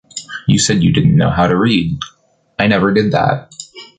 You said you didn’t know how to read. I never did that.